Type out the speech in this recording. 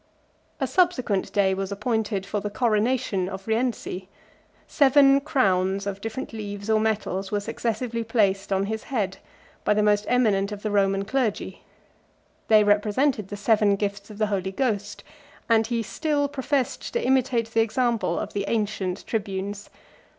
A subsequent day was appointed for the coronation of Rienzi; 40 seven crowns of different leaves or metals were successively placed on his head by the most eminent of the Roman clergy; they represented the seven gifts of the Holy Ghost; and he still professed to imitate the example of the ancient tribunes.